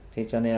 thế cho nên